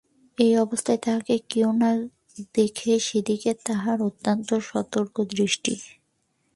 এ অবস্থায় তাহকে কেহ না দেখে, সেদিকে তাহার অত্যন্ত সতর্ক দৃষ্টি!